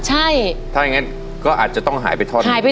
จะยากจะจนถึงหมดจะทนเต็มที่